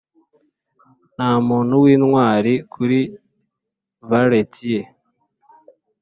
ntamuntu wintwari kuri valet ye